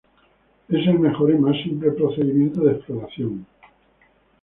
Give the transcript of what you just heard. Es el mejor y más simple procedimiento de exploración.